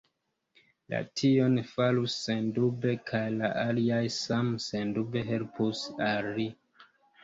Li tion farus sendube, kaj la aliaj same sendube helpus al li.